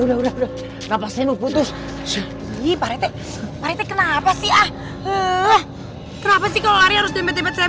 udah udah ngapasin putus putus kenapa sih ah eh kenapa sih kalau harus tempat tempat saya